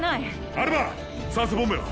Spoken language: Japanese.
アルバ酸素ボンベは？